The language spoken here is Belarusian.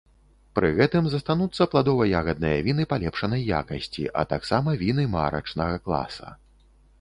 Пры гэтым застануцца пладова-ягадныя віны палепшанай якасці, а таксама віны марачнага класа.